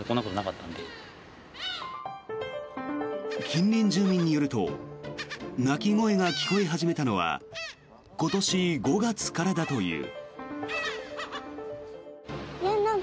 近隣住民によると鳴き声が聞こえ始めたのは今年５月からだという。